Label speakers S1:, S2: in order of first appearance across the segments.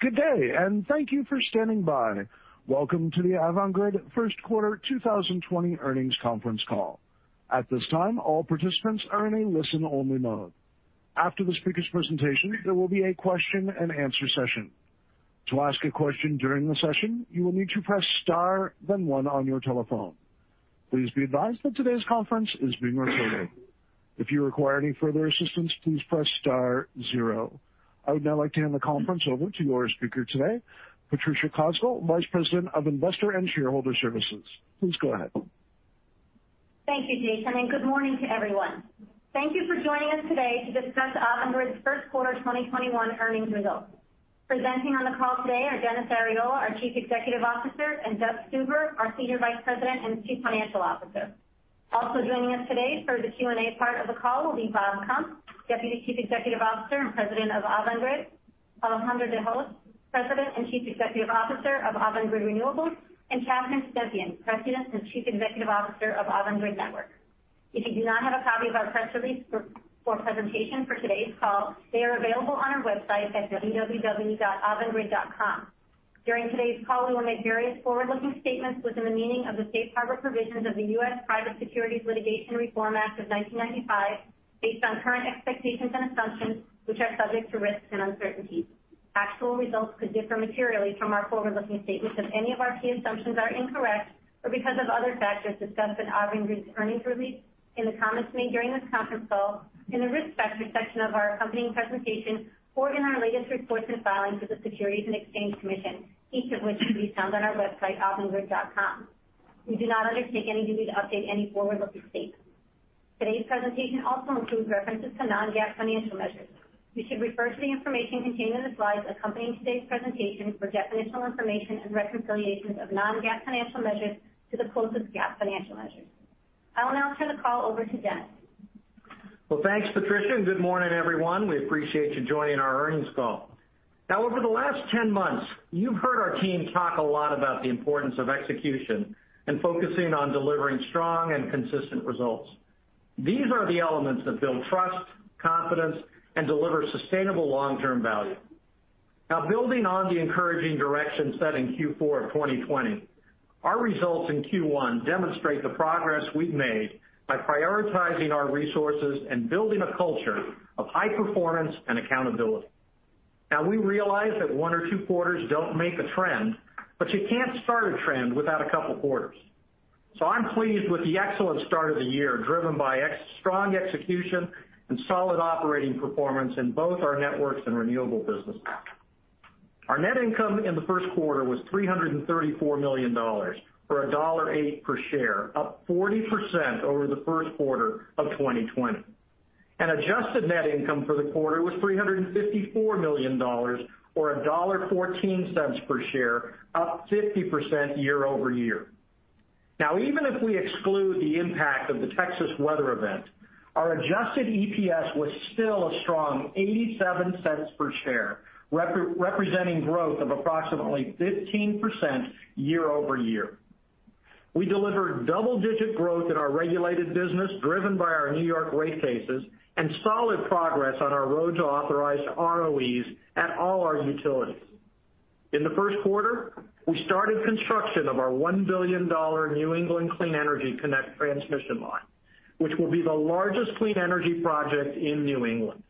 S1: Good day, and thank you for standing by. Welcome to the Avangrid first quarter 2020 earnings conference call. At this time all participants are in a listen only mode. After the speakers presentation there will be a question-and-answer session. To ask a question during the session you will need to press star then one on your telephone. Please be advised today's conference is being recorded. If you require any further assistance please press star zero. I would now like to hand the conference over to our speaker today, Patricia Cosgel, Vice President of Investor and Shareholder Services. Please go ahead.
S2: Thank you, Jason. Good morning to everyone. Thank you for joining us today to discuss Avangrid's first quarter 2021 earnings results. Presenting on the call today are Dennis Arriola, our Chief Executive Officer, and Doug Stuver, our Senior Vice President and Chief Financial Officer. Also joining us today for the Q&A part of the call will be Bob Kump, Deputy Chief Executive Officer and President of Avangrid, Alejandro de Hoz, President and Chief Executive Officer of Avangrid Renewables, and Catherine Stempien, President and Chief Executive Officer of Avangrid Networks. If you do not have a copy of our press release for presentation for today's call, they are available on our website at www.avangrid.com. During today's call, we will make various forward-looking statements within the meaning of the Safe Harbor provisions of the U.S. Private Securities Litigation Reform Act of 1995, based on current expectations and assumptions, which are subject to risks and uncertainties. Actual results could differ materially from our forward-looking statements if any of our key assumptions are incorrect, or because of other factors discussed in Avangrid's earnings release, in the comments made during this conference call, in the risk factor section of our accompanying presentation, or in our latest reports and filings with the Securities and Exchange Commission, each of which can be found on our website, avangrid.com. We do not undertake any duty to update any forward-looking statements. Today's presentation also includes references to non-GAAP financial measures. You should refer to the information contained in the slides accompanying today's presentation for definitional information and reconciliations of non-GAAP financial measures to the closest GAAP financial measures. I will now turn the call over to Dennis.
S3: Well, thanks, Patricia. Good morning, everyone. We appreciate you joining our earnings call. Over the last 10 months, you've heard our team talk a lot about the importance of execution and focusing on delivering strong and consistent results. These are the elements that build trust, confidence, and deliver sustainable long-term value. Building on the encouraging direction set in Q4 of 2020, our results in Q1 demonstrate the progress we've made by prioritizing our resources and building a culture of high performance and accountability. We realize that one or two quarters don't make a trend. You can't start a trend without a couple of quarters. I'm pleased with the excellent start of the year, driven by strong execution and solid operating performance in both our networks and renewable businesses. Our net income in the first quarter was $334 million, or $1.08 per share, up 40% over the first quarter of 2020. Adjusted net income for the quarter was $354 million, or $1.14 per share, up 50% year-over-year. Now, even if we exclude the impact of the Texas weather event, our adjusted EPS was still a strong $0.87 per share, representing growth of approximately 15% year-over-year. We delivered double-digit growth in our regulated business, driven by our New York rate cases, and solid progress on our road to authorized ROEs at all our utilities. In the first quarter, we started construction of our $1 billion New England Clean Energy Connect transmission line, which will be the largest clean energy project in New England.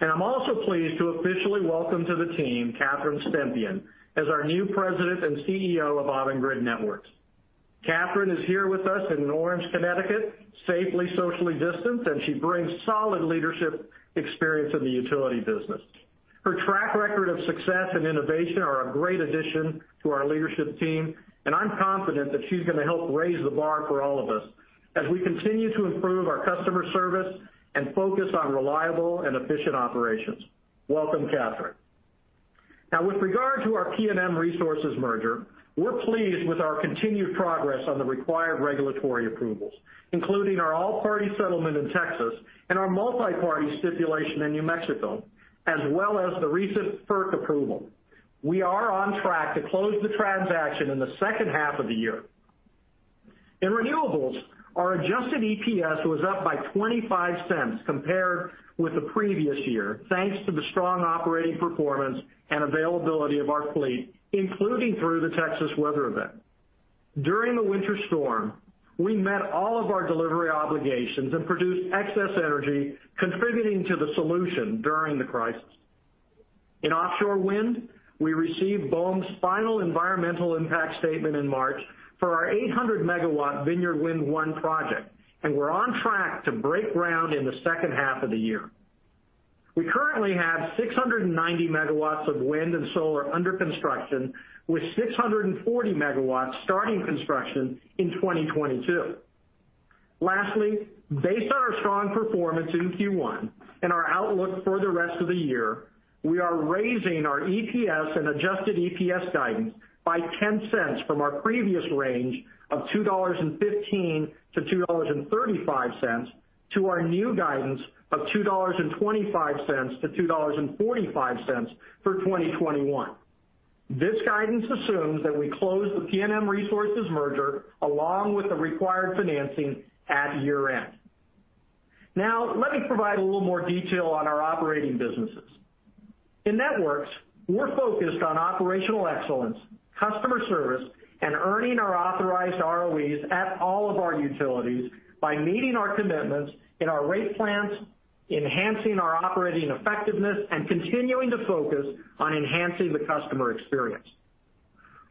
S3: I'm also pleased to officially welcome to the team Catherine Stempien as our new President and CEO of Avangrid Networks. Catherine is here with us in Orange, Connecticut, safely socially distant, and she brings solid leadership experience in the utility business. Her track record of success and innovation are a great addition to our leadership team, and I'm confident that she's going to help raise the bar for all of us as we continue to improve our customer service and focus on reliable and efficient operations. Welcome, Catherine. Now, with regard to our PNM Resources merger, we're pleased with our continued progress on the required regulatory approvals, including our all-party settlement in Texas and our multi-party stipulation in New Mexico, as well as the recent FERC approval. We are on track to close the transaction in the second half of the year. In renewables, our adjusted EPS was up by $0.25 compared with the previous year, thanks to the strong operating performance and availability of our fleet, including through the Texas weather event. During the winter storm, we met all of our delivery obligations and produced excess energy, contributing to the solution during the crisis. In offshore wind, we received BOEM's final environmental impact statement in March for our 800 MW Vineyard Wind 1 project, and we're on track to break ground in the second half of the year. We currently have 690 MW of wind and solar under construction, with 640 MW starting construction in 2022. Lastly, based on our strong performance in Q1 and our outlook for the rest of the year, we are raising our EPS and adjusted EPS guidance by $0.10 from our previous range of $2.15-$2.35 to our new guidance of $2.25-$2.45 for 2021. This guidance assumes that we close the PNM Resources merger along with the required financing at year-end. Let me provide a little more detail on our operating businesses. In Networks, we're focused on operational excellence, customer service, and earning our authorized ROEs at all of our utilities by meeting our commitments in our rate plans, enhancing our operating effectiveness, and continuing to focus on enhancing the customer experience.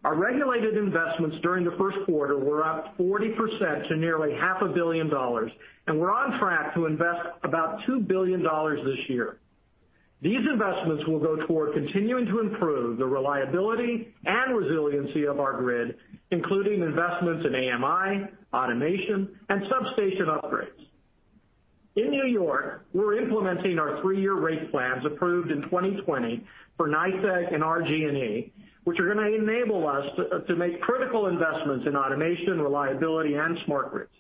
S3: Our regulated investments during the first quarter were up 40% to nearly $500,000,000, and we're on track to invest about $2 billion this year. These investments will go toward continuing to improve the reliability and resiliency of our grid, including investments in AMI, automation, and substation upgrades. In New York, we're implementing our three-year rate plans approved in 2020 for NYSEG and RG&E, which are going to enable us to make critical investments in automation, reliability, and smart grids.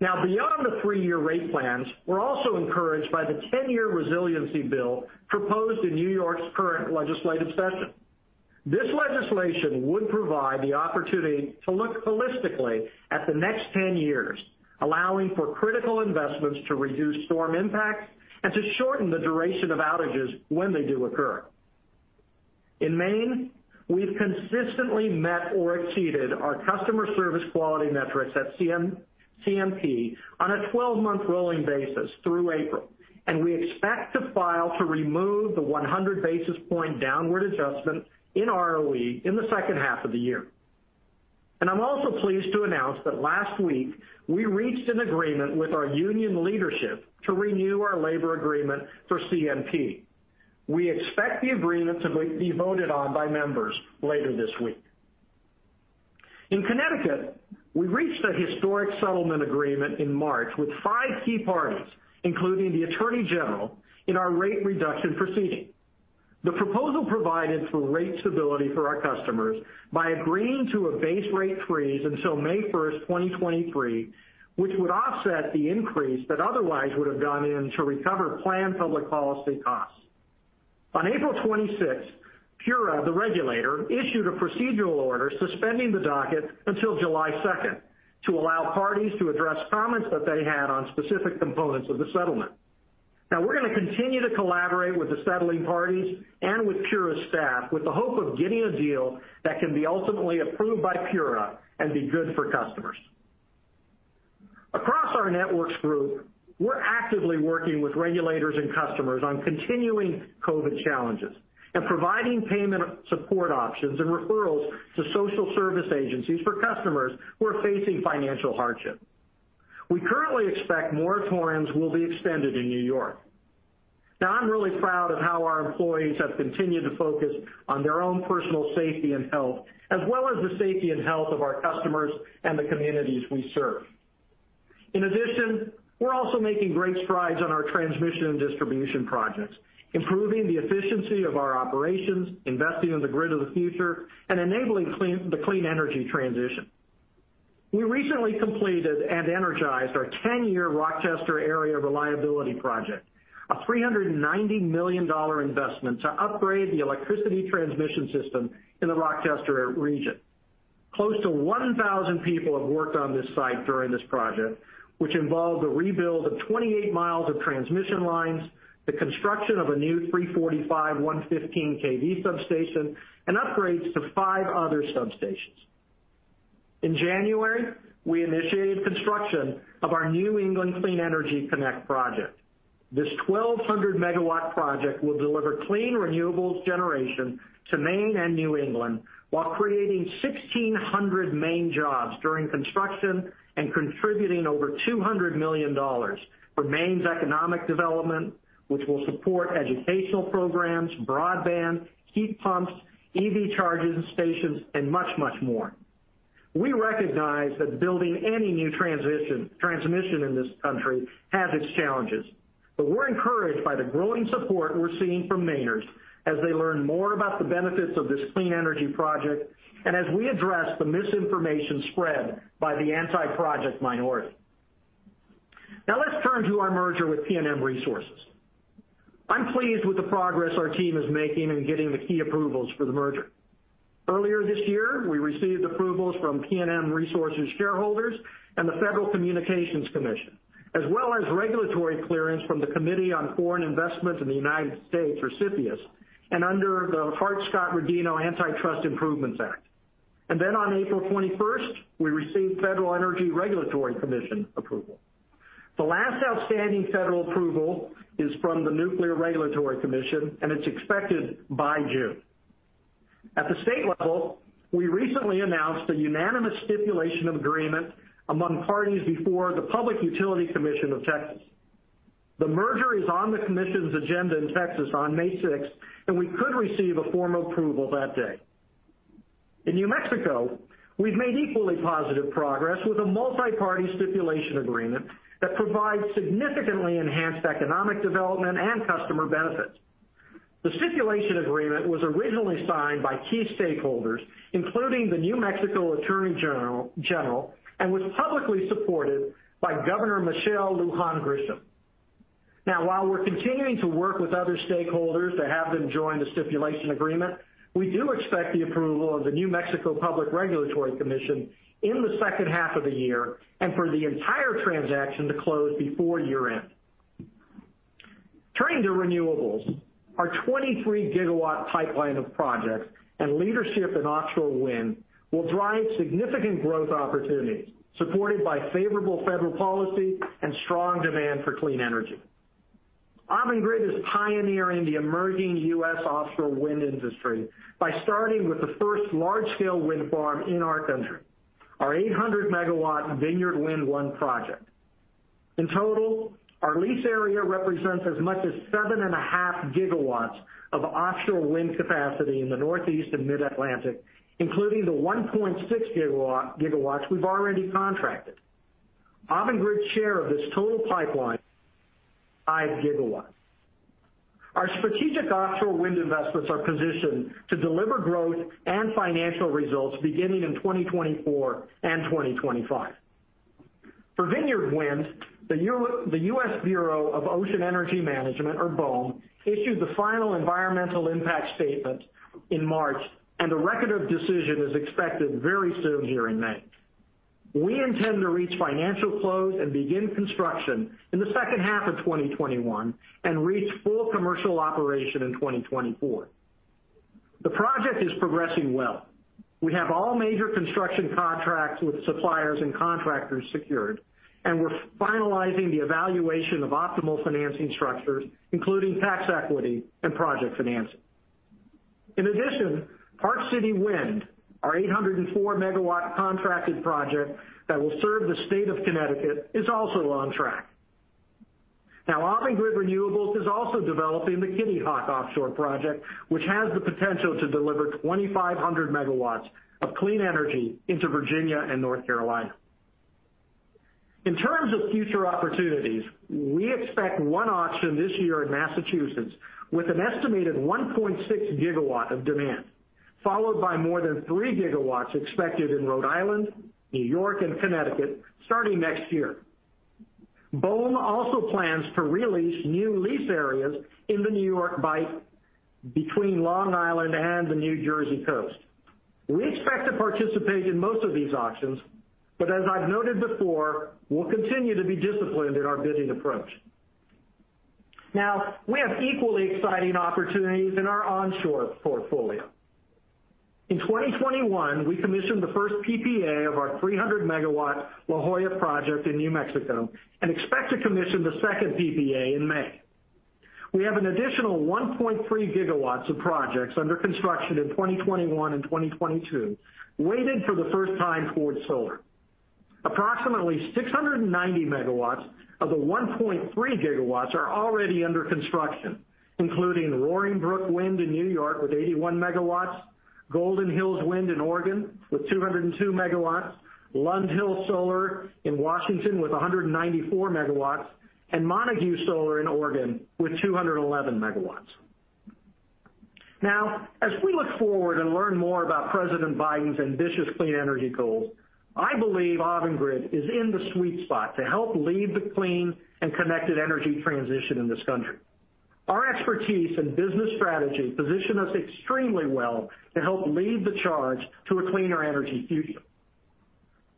S3: Now, beyond the three-year rate plans, we're also encouraged by the 10-year resiliency bill proposed in New York's current legislative session. This legislation would provide the opportunity to look holistically at the next 10 years, allowing for critical investments to reduce storm impact and to shorten the duration of outages when they do occur. In Maine, we've consistently met or exceeded our customer service quality metrics at CMP on a 12-month rolling basis through April. We expect to file to remove the 100 basis point downward adjustment in ROE in the second half of the year. I'm also pleased to announce that last week we reached an agreement with our union leadership to renew our labor agreement for CMP. We expect the agreement to be voted on by members later this week. In Connecticut, we reached a historic settlement agreement in March with five key parties, including the attorney general, in our rate reduction proceeding. The proposal provided for rate stability for our customers by agreeing to a base rate freeze until May 1st, 2023, which would offset the increase that otherwise would have gone in to recover planned public policy costs. On April 26th, PURA, the regulator, issued a procedural order suspending the docket until July 2nd to allow parties to address comments that they had on specific components of the settlement. Now we're going to continue to collaborate with the settling parties and with PURA staff with the hope of getting a deal that can be ultimately approved by PURA and be good for customers. Across our networks group, we're actively working with regulators and customers on continuing COVID challenges and providing payment support options and referrals to social service agencies for customers who are facing financial hardship. We currently expect moratoriums will be extended in New York. Now I'm really proud of how our employees have continued to focus on their own personal safety and health, as well as the safety and health of our customers and the communities we serve. In addition, we're also making great strides on our transmission and distribution projects, improving the efficiency of our operations, investing in the grid of the future, and enabling the clean energy transition. We recently completed and energized our 10-year Rochester Area Reliability Project, a $390 million investment to upgrade the electricity transmission system in the Rochester region. Close to 1,000 people have worked on this site during this project, which involved the rebuild of 28 mi of transmission lines, the construction of a new 345/115 kV substation, and upgrades to five other substations. In January, we initiated construction of our New England Clean Energy Connect project. This 1,200 MW project will deliver clean, renewables generation to Maine and New England while creating 1,600 Maine jobs during construction and contributing over $200 million for Maine's economic development, which will support educational programs, broadband, heat pumps, EV charging stations, and much, much more. We recognize that building any new transmission in this country has its challenges, but we're encouraged by the growing support we're seeing from Mainers as they learn more about the benefits of this clean energy project and as we address the misinformation spread by the anti-project minority. Let's turn to our merger with PNM Resources. I'm pleased with the progress our team is making in getting the key approvals for the merger. Earlier this year, we received approvals from PNM Resources shareholders and the Federal Communications Commission, as well as regulatory clearance from the Committee on Foreign Investment in the United States CFIUS and under the Hart-Scott-Rodino Antitrust Improvements Act. On April 21st, we received Federal Energy Regulatory Commission approval. The last outstanding federal approval is from the Nuclear Regulatory Commission. It's expected by June. At the state level, we recently announced a unanimous stipulation of agreement among parties before the Public Utility Commission of Texas. The merger is on the commission's agenda in Texas on May 6th, and we could receive a formal approval that day. In New Mexico, we've made equally positive progress with a multi-party stipulation agreement that provides significantly enhanced economic development and customer benefits. The stipulation agreement was originally signed by key stakeholders, including the New Mexico attorney general, and was publicly supported by Governor Michelle Lujan Grisham. Now, while we're continuing to work with other stakeholders to have them join the stipulation agreement, we do expect the approval of the New Mexico Public Regulation Commission in the second half of the year, and for the entire transaction to close before year-end. Turning to renewables, our 23 GW pipeline of projects and leadership in offshore wind will drive significant growth opportunities, supported by favorable federal policy and strong demand for clean energy. Avangrid is pioneering the emerging U.S. offshore wind industry by starting with the first large-scale wind farm in our country, our 800 MW Vineyard Wind 1 project. In total, our lease area represents as much as 7.5 GW of offshore wind capacity in the Northeast and mid-Atlantic, including the 1.6 GW we've already contracted. Avangrid's share of this total pipeline, 5 GW. Our strategic offshore wind investments are positioned to deliver growth and financial results beginning in 2024 and 2025. For Vineyard Wind, the U.S. Bureau of Ocean Energy Management, or BOEM, issued the final environmental impact statement in March, and the record of decision is expected very soon here in May. We intend to reach financial close and begin construction in the second half of 2021, and reach full commercial operation in 2024. The project is progressing well. We have all major construction contracts with suppliers and contractors secured, and we're finalizing the evaluation of optimal financing structures, including tax equity and project financing. In addition, Park City Wind, our 804 MW contracted project that will serve the state of Connecticut, is also on track. Avangrid Renewables is also developing the Kitty Hawk offshore project, which has the potential to deliver 2,500 MW of clean energy into Virginia and North Carolina. In terms of future opportunities, we expect one auction this year in Massachusetts, with an estimated 1.6 GW of demand, followed by more than 3 GW expected in Rhode Island, New York, and Connecticut starting next year. BOEM also plans to re-lease new lease areas in the New York Bight between Long Island and the New Jersey coast. We expect to participate in most of these auctions, but as I've noted before, we'll continue to be disciplined in our bidding approach. We have equally exciting opportunities in our onshore portfolio. In 2021, we commissioned the first PPA of our 300 MW La Joya project in New Mexico and expect to commission the second PPA in May. We have an additional 1.3 GW of projects under construction in 2021 and 2022, weighted for the first time towards solar. Approximately 690 MW of the 1.3 GW are already under construction, including Roaring Brook Wind in New York with 81 MW, Golden Hills Wind in Oregon with 202 MW, Lund Hill Solar in Washington with 194 MW, and Montague Solar in Oregon with 211 MW. Now, as we look forward and learn more about President Biden's ambitious clean energy goals, I believe Avangrid is in the sweet spot to help lead the clean and connected energy transition in this country. Our expertise and business strategy position us extremely well to help lead the charge to a cleaner energy future.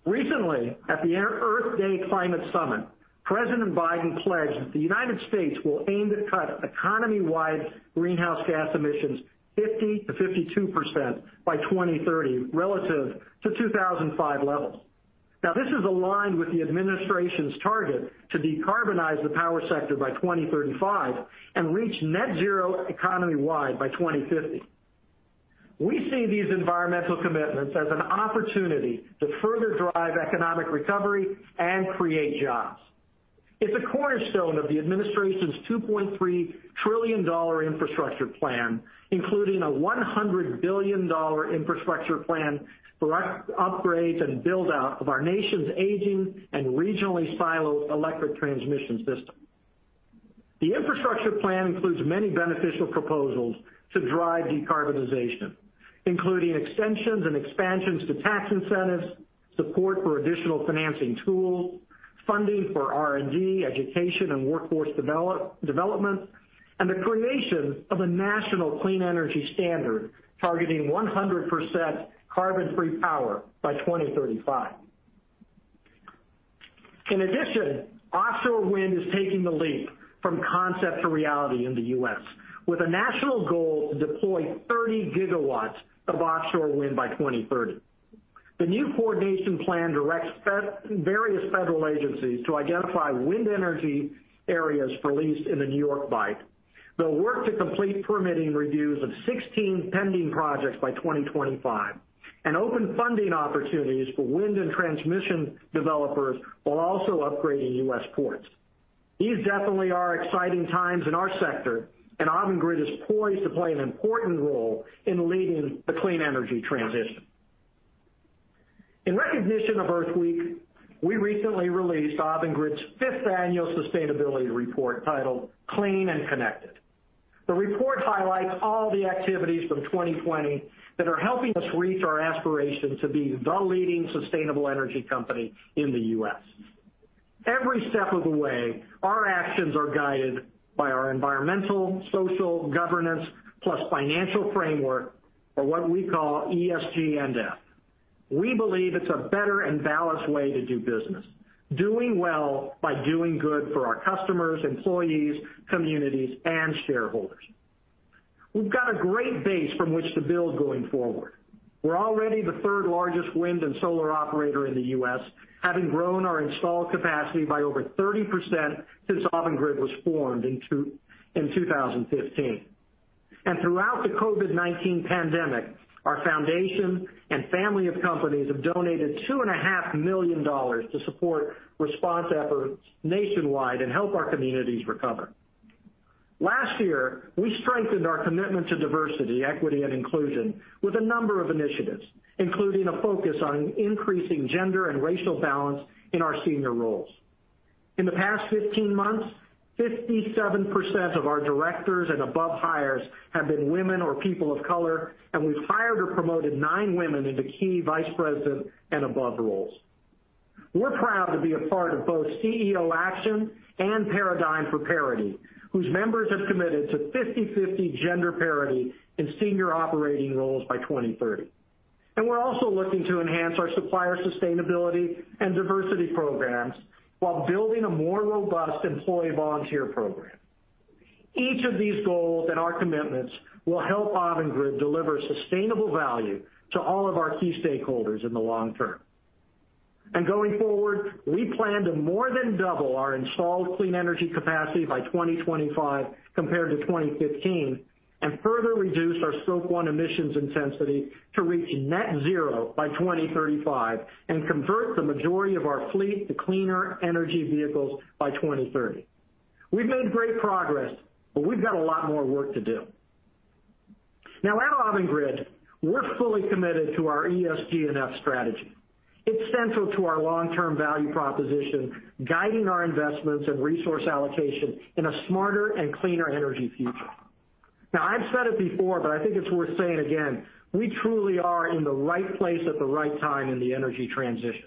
S3: Recently, at the Earth Day climate summit, President Biden pledged that the United States will aim to cut economy-wide greenhouse gas emissions 50%-52% by 2030 relative to 2005 levels. This is aligned with the administration's target to decarbonize the power sector by 2035 and reach net zero economy-wide by 2050. We see these environmental commitments as an opportunity to further drive economic recovery and create jobs. It's a cornerstone of the administration's $2.3 trillion infrastructure plan, including a $100 billion infrastructure plan to upgrade and build out of our nation's aging and regionally siloed electric transmission system. The infrastructure plan includes many beneficial proposals to drive decarbonization, including extensions and expansions to tax incentives, support for additional financing tools, funding for R&D, education, and workforce development, and the creation of a national clean energy standard targeting 100% carbon-free power by 2035. In addition, offshore wind is taking the leap from concept to reality in the U.S., with a national goal to deploy 30 GW of offshore wind by 2030. The new coordination plan directs various federal agencies to identify wind energy areas for lease in the New York Bight. They'll work to complete permitting reviews of 16 pending projects by 2025 and open funding opportunities for wind and transmission developers while also upgrading U.S. ports. These definitely are exciting times in our sector. Avangrid is poised to play an important role in leading the clean energy transition. In recognition of Earth Week, we recently released Avangrid's fifth annual sustainability report titled Clean and Connected. The report highlights all the activities from 2020 that are helping us reach our aspiration to be the leading sustainable energy company in the U.S. Every step of the way, our actions are guided by our environmental, social, governance, plus financial framework, or what we call ESG&F. We believe it's a better and balanced way to do business, doing well by doing good for our customers, employees, communities, and shareholders. We've got a great base from which to build going forward. We're already the third-largest wind and solar operator in the U.S., having grown our installed capacity by over 30% since Avangrid was formed in 2015. Throughout the COVID-19 pandemic, our foundation and family of companies have donated $2.5 million to support response efforts nationwide and help our communities recover. Last year, we strengthened our commitment to diversity, equity, and inclusion with a number of initiatives, including a focus on increasing gender and racial balance in our senior roles. In the past 15 months, 57% of our directors and above hires have been women or people of color, We've hired or promoted nine women into key Vice President and above roles. We're proud to be a part of both CEO Action and Paradigm for Parity, whose members have committed to 50/50 gender parity in senior operating roles by 2030. We're also looking to enhance our supplier sustainability and diversity programs while building a more robust employee volunteer program. Each of these goals and our commitments will help Avangrid deliver sustainable value to all of our key stakeholders in the long term. Going forward, we plan to more than double our installed clean energy capacity by 2025 compared to 2015, and further reduce our scope 1 emissions intensity to reach net zero by 2035 and convert the majority of our fleet to cleaner energy vehicles by 2030. We've made great progress, but we've got a lot more work to do. At Avangrid, we're fully committed to our ESG&F strategy. It's central to our long-term value proposition, guiding our investments and resource allocation in a smarter and cleaner energy future. I've said it before, but I think it's worth saying again, we truly are in the right place at the right time in the energy transition.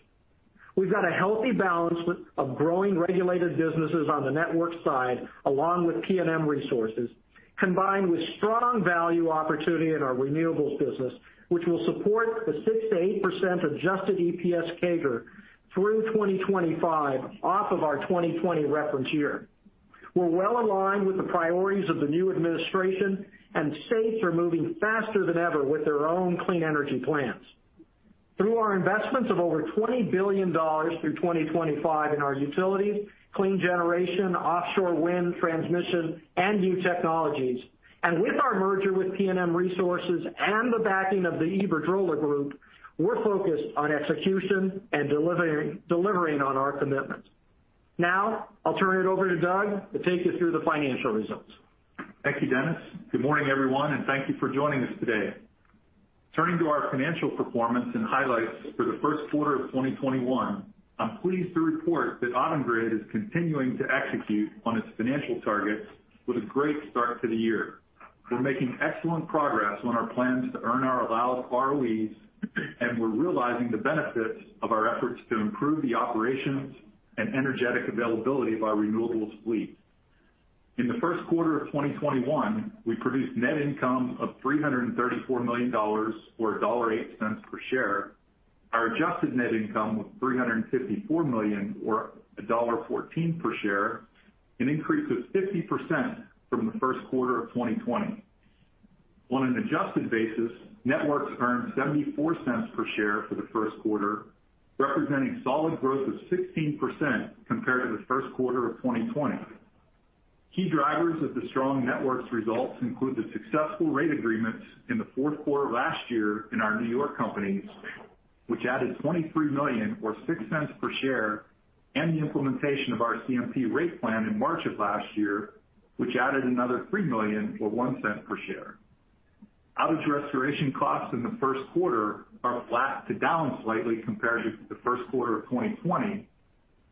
S3: We've got a healthy balance of growing regulated businesses on the network side, along with PNM Resources, combined with strong value opportunity in our renewables business, which will support the 6%-8% adjusted EPS CAGR through 2025 off of our 2020 reference year. We're well-aligned with the priorities of the new Administration. States are moving faster than ever with their own clean energy plans. Through our investments of over $20 billion through 2025 in our utilities, clean generation, offshore wind, transmission, and new technologies, and with our merger with PNM Resources and the backing of the Iberdrola group, we're focused on execution and delivering on our commitments. Now, I'll turn it over to Doug to take you through the financial results.
S4: Thank you, Dennis. Good morning, everyone, and thank you for joining us today. Turning to our financial performance and highlights for the first quarter of 2021, I am pleased to report that Avangrid is continuing to execute on its financial targets with a great start to the year. We are making excellent progress on our plans to earn our allowed ROEs, and we are realizing the benefits of our efforts to improve the operations and energetic availability of our renewables fleet. In the first quarter of 2021, we produced net income of $334 million, or $1.08 per share. Our adjusted net income was $354 million, or $1.14 per share, an increase of 50% from the first quarter of 2020. On an adjusted basis, Networks earned $0.74 per share for the first quarter, representing solid growth of 16% compared to the first quarter of 2020. Key drivers of the strong networks results include the successful rate agreements in the fourth quarter of last year in our New York companies, which added $23 million, or $0.06 per share, and the implementation of our CMP rate plan in March of last year, which added another $3 million, or $0.01 per share. Outage restoration costs in the first quarter are flat to down slightly compared to the first quarter of 2020.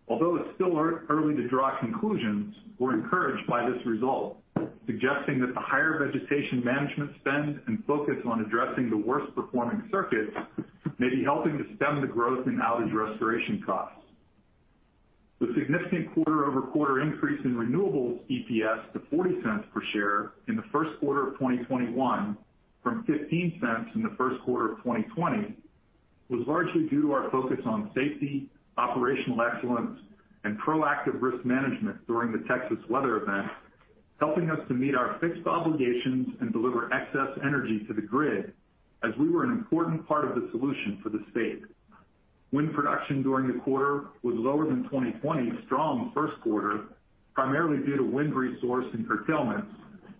S4: Although it's still early to draw conclusions, we're encouraged by this result, suggesting that the higher vegetation management spend and focus on addressing the worst-performing circuits may be helping to stem the growth in outage restoration costs. The significant quarter-over-quarter increase in renewables EPS to $0.40 per share in the first quarter of 2021 from $0.15 in the first quarter of 2020 was largely due to our focus on safety, operational excellence, and proactive risk management during the Texas weather event, helping us to meet our fixed obligations and deliver excess energy to the grid as we were an important part of the solution for the state. Wind production during the quarter was lower than 2020's strong first quarter, primarily due to wind resource and curtailments,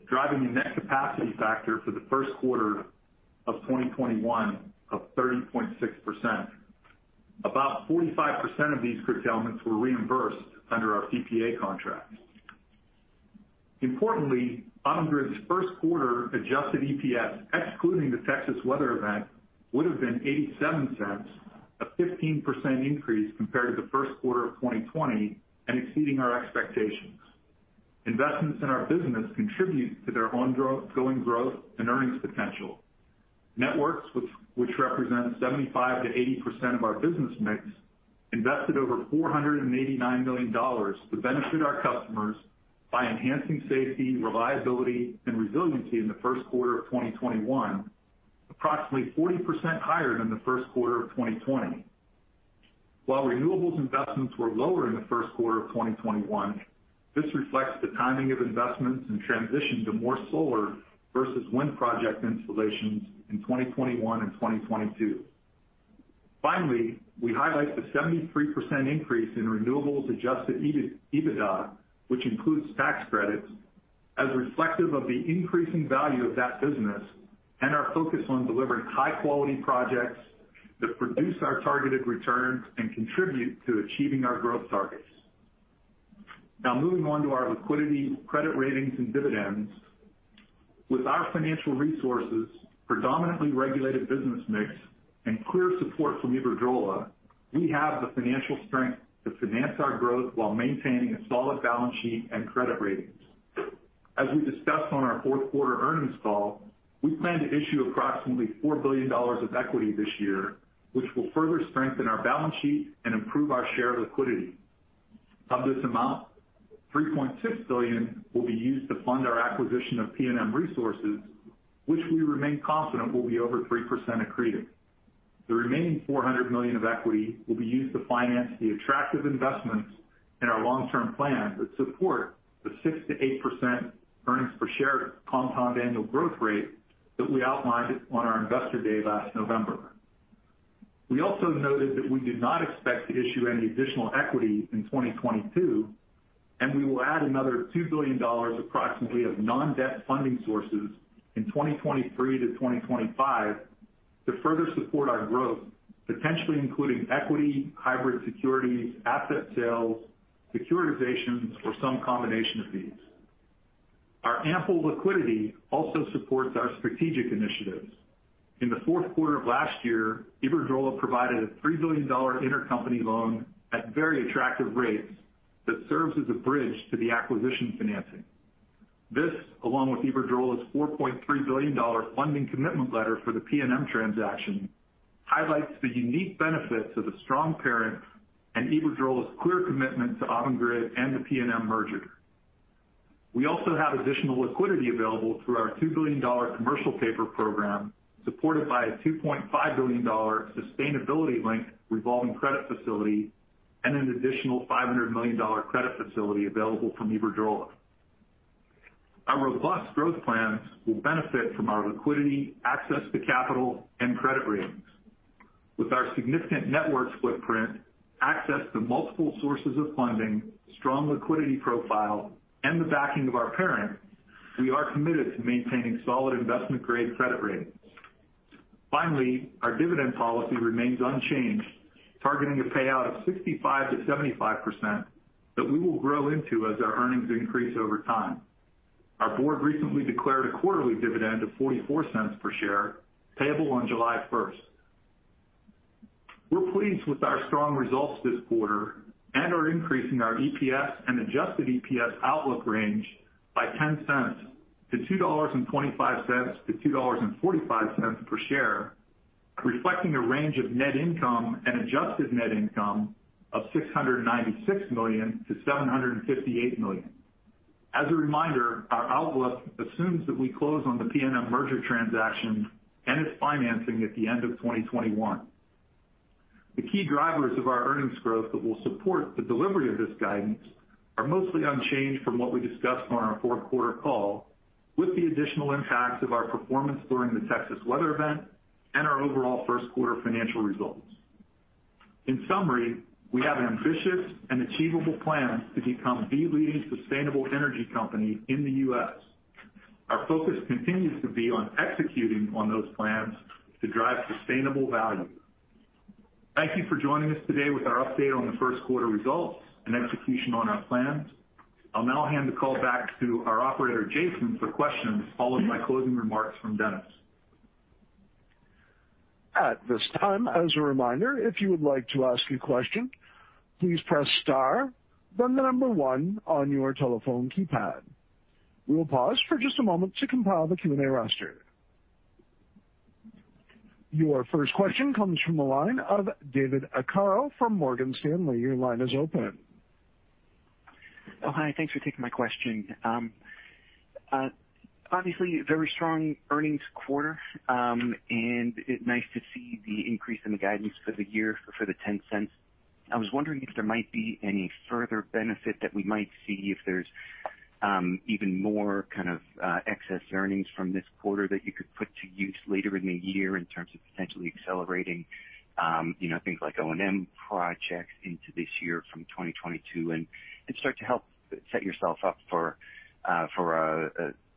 S4: driving a net capacity factor for the first quarter of 2021 of 30.6%. About 45% of these curtailments were reimbursed under our PPA contract. Importantly, Avangrid's first quarter adjusted EPS, excluding the Texas weather event, would have been $0.87, a 15% increase compared to the first quarter of 2020 and exceeding our expectations. Investments in our business contribute to their ongoing growth and earnings potential. Networks, which represent 75%-80% of our business mix, invested over $489 million to benefit our customers by enhancing safety, reliability, and resiliency in the first quarter of 2021, approximately 40% higher than the first quarter of 2020. Renewables investments were lower in the first quarter of 2021, this reflects the timing of investments and transition to more solar versus wind project installations in 2021 and 2022. We highlight the 73% increase in renewables adjusted EBITDA, which includes tax credits, as reflective of the increasing value of that business and our focus on delivering high-quality projects that produce our targeted returns and contribute to achieving our growth targets. Moving on to our liquidity, credit ratings, and dividends. With our financial resources, predominantly regulated business mix, and clear support from Iberdrola, we have the financial strength to finance our growth while maintaining a solid balance sheet and credit ratings. As we discussed on our fourth quarter earnings call, we plan to issue approximately $4 billion of equity this year, which will further strengthen our balance sheet and improve our share liquidity. Of this amount, $3.6 billion will be used to fund our acquisition of PNM Resources, which we remain confident will be over 3% accretive. The remaining $400 million of equity will be used to finance the attractive investments in our long-term plan that support the 6%-8% earnings per share compound annual growth rate that we outlined on our investor day last November. We also noted that we did not expect to issue any additional equity in 2022. We will add another $2 billion approximately of non-debt funding sources in 2023 to 2025 to further support our growth, potentially including equity, hybrid securities, asset sales, securitizations, or some combination of these. Our ample liquidity also supports our strategic initiatives. In the fourth quarter of last year, Iberdrola provided a $3 billion intercompany loan at very attractive rates that serves as a bridge to the acquisition financing. This, along with Iberdrola's $4.3 billion funding commitment letter for the PNM transaction, highlights the unique benefits of a strong parent and Iberdrola's clear commitment to Avangrid and the PNM merger. We also have additional liquidity available through our $2 billion commercial paper program, supported by a $2.5 billion sustainability-linked revolving credit facility and an additional $500 million credit facility available from Iberdrola. Our robust growth plans will benefit from our liquidity, access to capital, and credit ratings. With our significant network footprint, access to multiple sources of funding, strong liquidity profile, and the backing of our parent, we are committed to maintaining solid investment-grade credit ratings. Finally, our dividend policy remains unchanged, targeting a payout of 65%-75% that we will grow into as our earnings increase over time. Our board recently declared a quarterly dividend of $0.44 per share, payable on July 1st. We're pleased with our strong results this quarter and are increasing our EPS and adjusted EPS outlook range by $0.10 to $2.25-$2.45 per share, reflecting a range of net income and adjusted net income of $696 million-$758 million. As a reminder, our outlook assumes that we close on the PNM merger transaction and its financing at the end of 2021. The key drivers of our earnings growth that will support the delivery of this guidance are mostly unchanged from what we discussed on our fourth quarter call, with the additional impacts of our performance during the Texas weather event and our overall first quarter financial results. In summary, we have an ambitious and achievable plan to become the leading sustainable energy company in the U.S. Our focus continues to be on executing on those plans to drive sustainable value. Thank you for joining us today with our update on the first quarter results and execution on our plans. I'll now hand the call back to our operator, Jason, for questions, followed by closing remarks from Dennis.
S1: At this time reminder if you would like to ask a question please press star then number one on your telephone keypad. We will pause for just a moment to compile our Q&A roster. Your first question comes from the line of David Arcaro from Morgan Stanley. Your line is open.
S5: Oh, hi. Thanks for taking my question. Obviously, very strong earnings quarter, and nice to see the increase in the guidance for the year for the $0.10. I was wondering if there might be any further benefit that we might see if there's even more kind of excess earnings from this quarter that you could put to use later in the year in terms of potentially accelerating things like O&M projects into this year from 2022 and start to help set yourself up for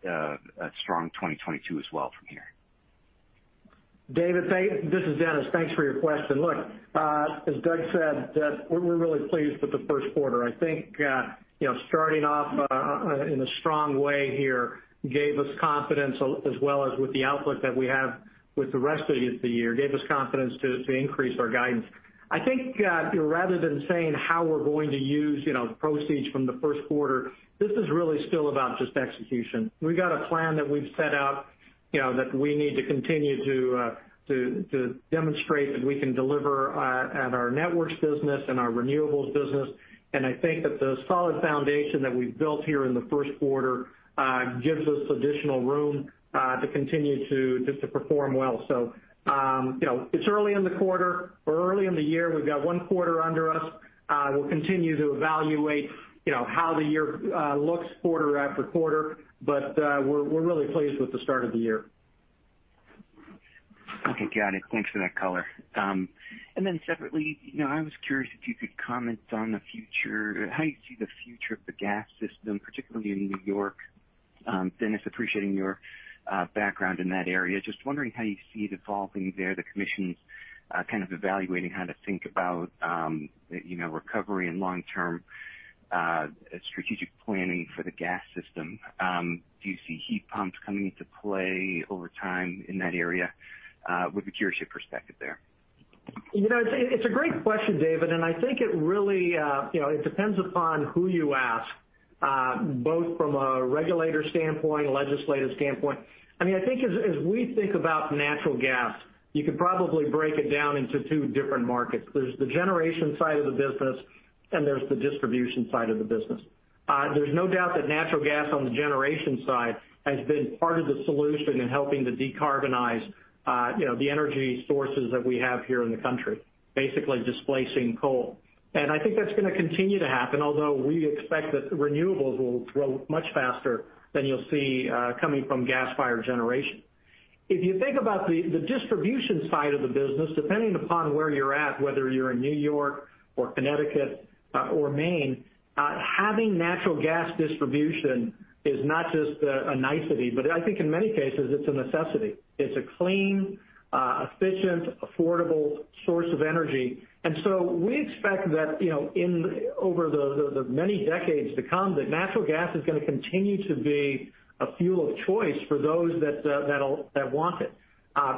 S5: a strong 2022 as well from here?
S3: David, this is Dennis. Thanks for your question. Look, as Doug said, we're really pleased with the first quarter. I think starting off in a strong way here gave us confidence, as well as with the outlook that we have with the rest of the year, gave us confidence to increase our guidance. I think rather than saying how we're going to use the proceeds from the first quarter, this is really still about just execution. We've got a plan that we've set out that we need to continue to demonstrate that we can deliver at our networks business and our renewables business. I think that the solid foundation that we've built here in the first quarter gives us additional room to continue to just to perform well. It's early in the quarter. We're early in the year. We've got one quarter under us. We'll continue to evaluate how the year looks quarter after quarter, but we're really pleased with the start of the year.
S5: Okay. Got it. Thanks for that color. Separately, I was curious if you could comment on how you see the future of the gas system, particularly in New York. Dennis, appreciating your background in that area, just wondering how you see it evolving there, the commissions kind of evaluating how to think about recovery and long-term strategic planning for the gas system. Do you see heat pumps coming into play over time in that area? Would be curious your perspective there.
S3: It's a great question, David, and I think it depends upon who you ask, both from a regulator standpoint, a legislative standpoint. I think as we think about natural gas, you could probably break it down into two different markets. There's the generation side of the business, and there's the distribution side of the business. There's no doubt that natural gas on the generation side has been part of the solution in helping to decarbonize the energy sources that we have here in the country, basically displacing coal. I think that's going to continue to happen, although we expect that renewables will grow much faster than you'll see coming from gas-fired generation. If you think about the distribution side of the business, depending upon where you're at, whether you're in New York or Connecticut or Maine, having natural gas distribution is not just a nicety, but I think in many cases, it's a necessity. It's a clean, efficient, affordable source of energy. We expect that over the many decades to come, that natural gas is going to continue to be a fuel of choice for those that want it.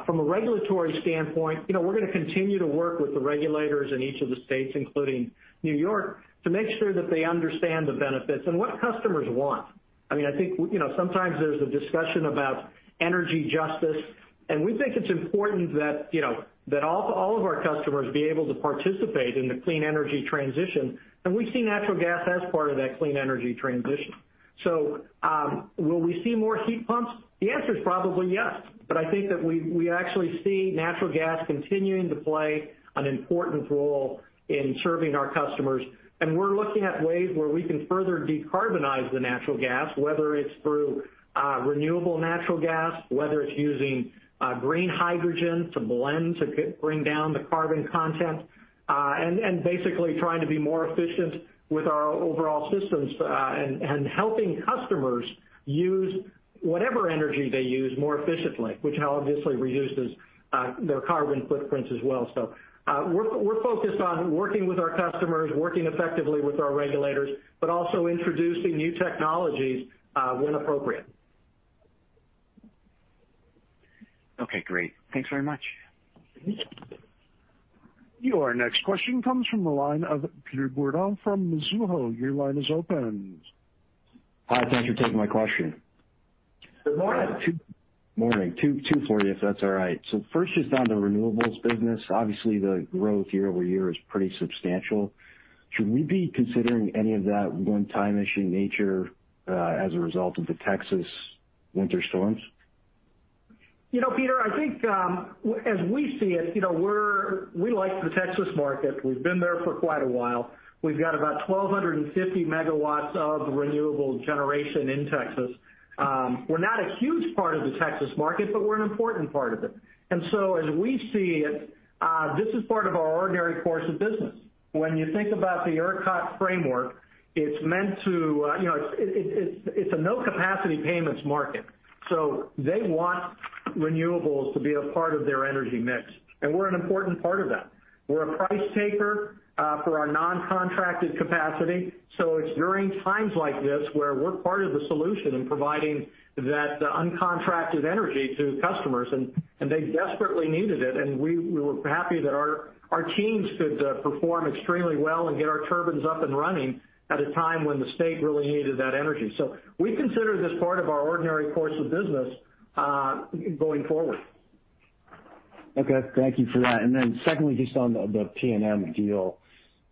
S3: From a regulatory standpoint, we're going to continue to work with the regulators in each of the states, including New York, to make sure that they understand the benefits and what customers want. I think sometimes there's a discussion about energy justice. We think it's important that all of our customers be able to participate in the clean energy transition. We see natural gas as part of that clean energy transition. Will we see more heat pumps? The answer is probably yes. I think that we actually see natural gas continuing to play an important role in serving our customers. We're looking at ways where we can further decarbonize the natural gas, whether it's through renewable natural gas, whether it's using green hydrogen to blend to bring down the carbon content. Basically trying to be more efficient with our overall systems, helping customers use whatever energy they use more efficiently, which obviously reduces their carbon footprints as well. We're focused on working with our customers, working effectively with our regulators, but also introducing new technologies when appropriate.
S5: Okay, great. Thanks very much.
S1: Your next question comes from the line of Peter Bourdon from Mizuho. Your line is open.
S6: Hi, thanks for taking my question.
S3: Good morning.
S6: Morning. Two for you, if that's all right. First, just on the renewables business, obviously the growth year-over-year is pretty substantial. Should we be considering any of that one-time issue nature as a result of the Texas winter storms?
S3: Peter, I think as we see it, we like the Texas market. We've been there for quite a while. We've got about 1,250 MW of renewable generation in Texas. We're not a huge part of the Texas market, but we're an important part of it. As we see it, this is part of our ordinary course of business. When you think about the ERCOT framework, it's a no-capacity payments market. They want renewables to be a part of their energy mix, and we're an important part of that. We're a price taker for our non-contracted capacity. It's during times like this where we're part of the solution in providing that uncontracted energy to customers, and they desperately needed it, and we were happy that our teams could perform extremely well and get our turbines up and running at a time when the state really needed that energy. We consider this part of our ordinary course of business going forward.
S6: Okay. Thank you for that. Secondly, just on the PNM deal,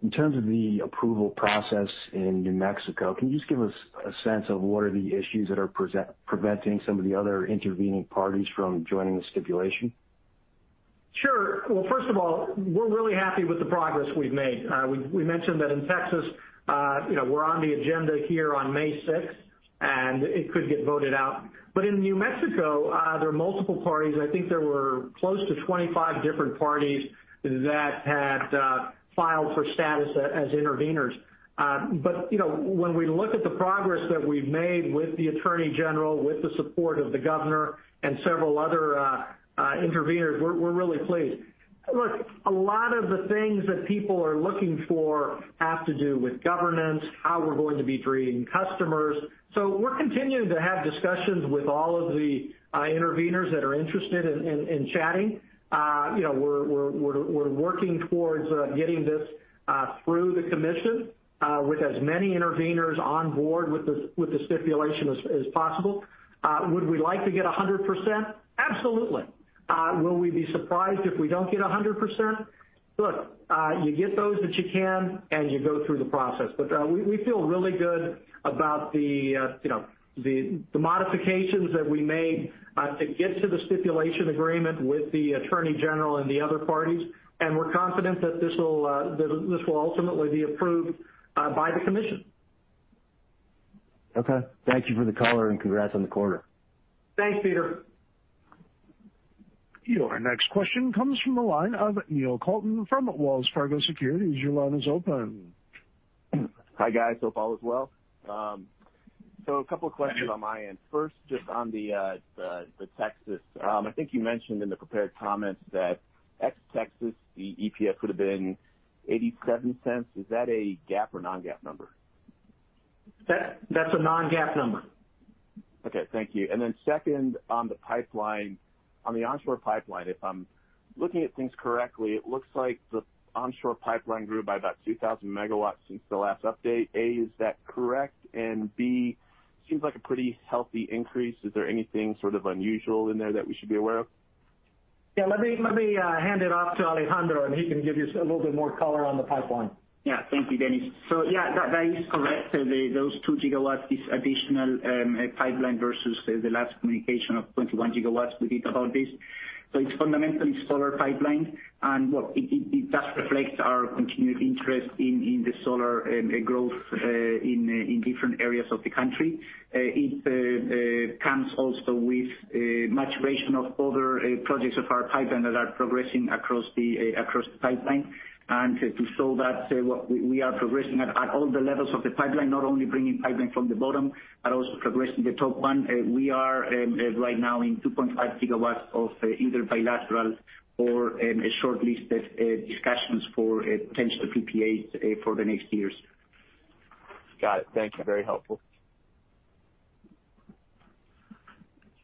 S6: in terms of the approval process in New Mexico, can you just give us a sense of what are the issues that are preventing some of the other intervening parties from joining the stipulation?
S3: Sure. Well, first of all, we're really happy with the progress we've made. We mentioned that in Texas, we're on the agenda here on May 6th, and it could get voted out. In New Mexico, there are multiple parties. I think there were close to 25 different parties that had filed for status as interveners. When we look at the progress that we've made with the attorney general, with the support of the governor and several other interveners, we're really pleased. Look, a lot of the things that people are looking for have to do with governance, how we're going to be treating customers. We're continuing to have discussions with all of the interveners that are interested in chatting. We're working towards getting this through the commission with as many interveners on board with the stipulation as possible. Would we like to get 100%? Absolutely. Will we be surprised if we don't get 100%? Look, you get those that you can, you go through the process. We feel really good about the modifications that we made to get to the stipulation agreement with the attorney general and the other parties. We're confident that this will ultimately be approved by the commission.
S6: Okay. Thank you for the color. Congrats on the quarter.
S3: Thanks, Peter.
S1: Your next question comes from the line of Neil Kalton from Wells Fargo Securities. Your line is open.
S7: Hi, guys. Hope all is well. A couple of questions on my end. First, just on the Texas. I think you mentioned in the prepared comments that ex Texas, the EPS would have been $0.87. Is that a GAAP or non-GAAP number?
S3: That's a non-GAAP number.
S7: Okay. Thank you. Second, on the onshore pipeline, if I'm looking at things correctly, it looks like the onshore pipeline grew by about 2,000 MW since the last update. A, is that correct? B, seems like a pretty healthy increase. Is there anything sort of unusual in there that we should be aware of?
S3: Yeah, let me hand it off to Alejandro, and he can give you a little bit more color on the pipeline.
S8: Yeah. Thank you, Dennis. Yeah, that is correct. Those 2 GW is additional pipeline versus the last communication of 21 GW we did about this. It's fundamentally solar pipelines, and it does reflect our continued interest in the solar growth in different areas of the U.S. It comes also with maturation of other projects of our pipeline that are progressing across the pipeline. To show that we are progressing at all the levels of the pipeline, not only bringing pipeline from the bottom, but also progressing the top one. We are right now in 2.5 GW of either bilateral or short-listed discussions for potential PPAs for the next years.
S7: Got it. Thank you. Very helpful.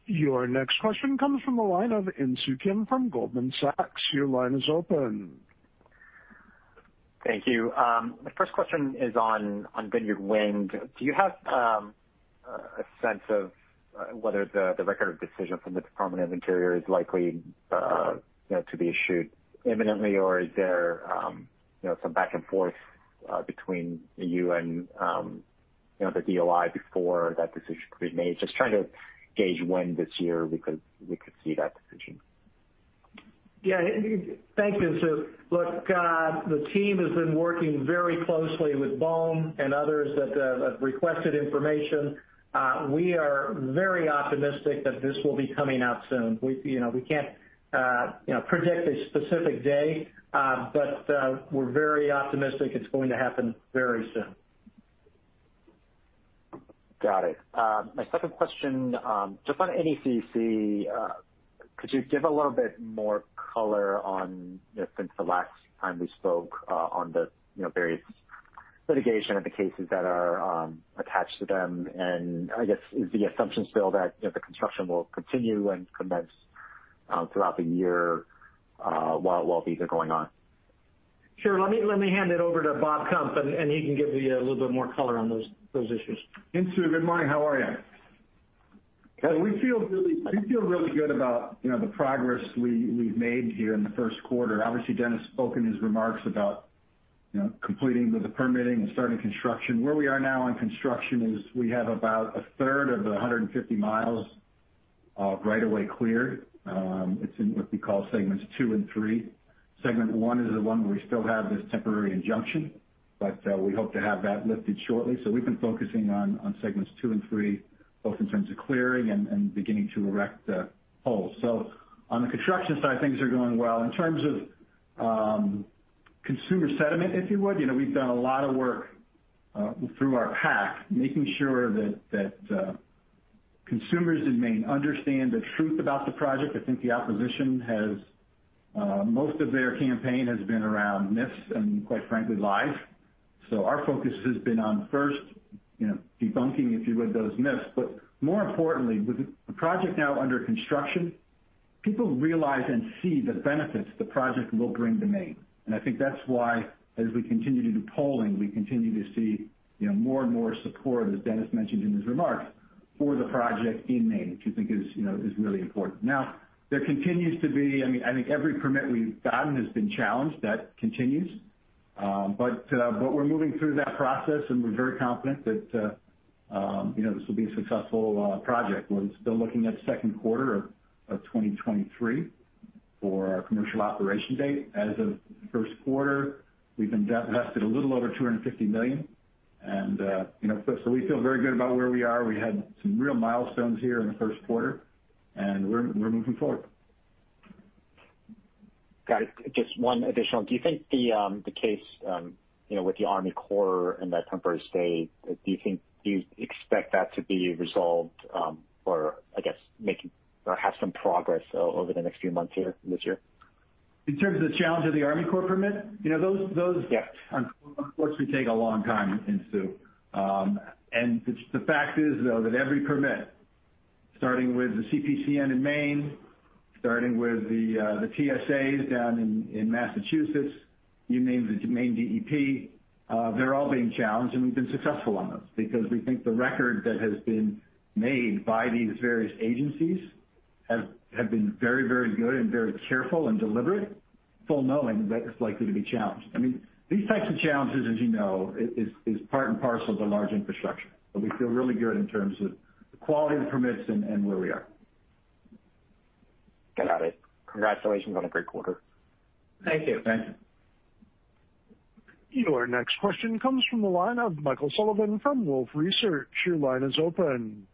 S1: Your next question comes from the line of Insoo Kim from Goldman Sachs.
S9: Thank you. My first question is on Vineyard Wind. Do you have a sense of whether the record of decision from the Department of the Interior is likely to be issued imminently, or is there some back and forth between you and the DOI before that decision could be made? Just trying to gauge when this year we could see that decision.
S3: Yeah. Thanks, Insoo. The team has been working very closely with BOEM and others that have requested information. We are very optimistic that this will be coming out soon. We can't predict a specific day, we're very optimistic it's going to happen very soon.
S9: Got it. My second question, just on NECEC, could you give a little bit more color on, since the last time we spoke, on the various litigation and the cases that are attached to them? I guess, is the assumption still that the construction will continue and commence throughout the year while these are going on?
S3: Sure. Let me hand it over to Bob Kump, and he can give you a little bit more color on those issues.
S10: Insoo, good morning. How are you?
S9: Good.
S10: We feel really good about the progress we've made here in the first quarter. Obviously, Dennis spoke in his remarks about completing the permitting and starting construction. Where we are now on construction is we have about a third of the 150 mi of right of way cleared. It's in what we call segments two and three. Segment one is the one where we still have this temporary injunction. We hope to have that lifted shortly. We've been focusing on segments two and three, both in terms of clearing and beginning to erect the poles. On the construction side, things are going well. In terms of consumer sentiment, if you would, we've done a lot of work through our PAC, making sure that consumers in Maine understand the truth about the project. Most of their campaign has been around myths and, quite frankly, lies. Our focus has been on first debunking, if you would, those myths. More importantly, with the project now under construction, people realize and see the benefits the project will bring to Maine. I think that's why, as we continue to do polling, we continue to see more and more support, as Dennis mentioned in his remarks, for the project in Maine, which we think is really important. I think every permit we've gotten has been challenged. That continues. We're moving through that process, and we're very confident that this will be a successful project. We're still looking at second quarter of 2023 for our commercial operation date. As of first quarter, we've invested a little over $250 million. We feel very good about where we are. We had some real milestones here in the first quarter. We're moving forward.
S9: Got it. Just one additional. Do you think the case with the Army Corps and that temporary stay, do you expect that to be resolved or, I guess, have some progress over the next few months here this year?
S3: In terms of the challenge of the Army Corps permit?
S9: Yes
S3: unfortunately take a long time Insoo. The fact is, though, that every permit, starting with the CPCN in Maine, starting with the TSAs down in Massachusetts, you name the Maine DEP, they're all being challenged, and we've been successful on those because we think the record that has been made by these various agencies have been very, very good and very careful and deliberate, full knowing that it's likely to be challenged. These types of challenges, as you know, is part and parcel of the large infrastructure. We feel really good in terms of the quality of the permits and where we are.
S9: Got it. Congratulations on a great quarter.
S3: Thank you.
S10: Thank you
S1: Your next question comes from the line of Michael Sullivan from Wolfe Research. Your line is open.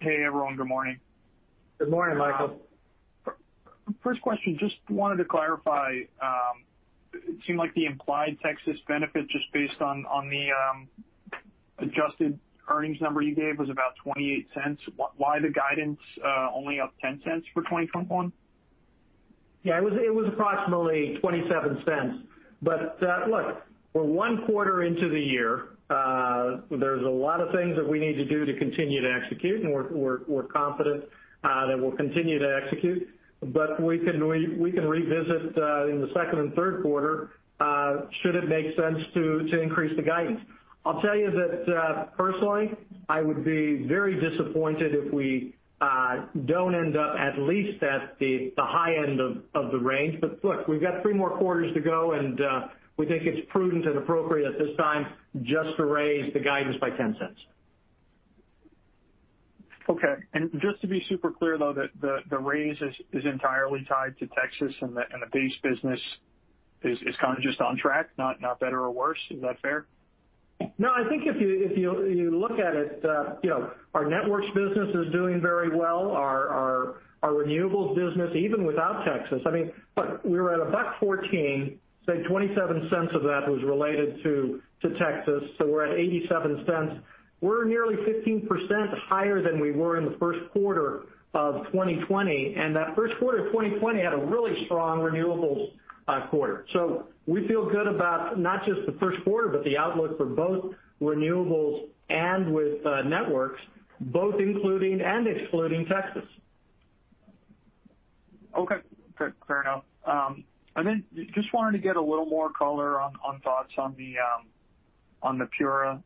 S11: Hey, everyone. Good morning.
S3: Good morning, Michael.
S11: First question, just wanted to clarify. It seemed like the implied Texas benefit, just based on the adjusted earnings number you gave, was about $0.28. Why the guidance only up $0.10 for 2021?
S3: Yeah, it was approximately $0.27. Look, we're one quarter into the year. There's a lot of things that we need to do to continue to execute, and we're confident that we'll continue to execute, but we can revisit in the second and third quarter should it make sense to increase the guidance. I'll tell you that personally, I would be very disappointed if we don't end up at least at the high end of the range. Look, we've got three more quarters to go, and we think it's prudent and appropriate at this time just to raise the guidance by $0.10.
S11: Okay. Just to be super clear, though, the raise is entirely tied to Texas and the base business is kind of just on track, not better or worse. Is that fair?
S3: I think if you look at it, our networks business is doing very well. Our renewables business, even without Texas. Look, we were at $1.14, say $0.27 of that was related to Texas, so we're at $0.87. We're nearly 15% higher than we were in the first quarter of 2020. That first quarter of 2020 had a really strong renewables quarter. We feel good about not just the first quarter, but the outlook for both renewables and with networks, both including and excluding Texas.
S11: Okay. Good. Fair enough. Then just wanted to get a little more color on thoughts on the PURA